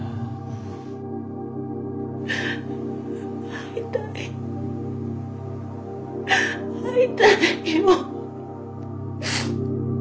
会いたい会いたいよ。